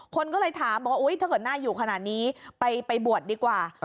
คนก็เลยถามบอกว่าถ้าเกิดน่าอยู่ขนาดนี้ไปบวชดีกว่า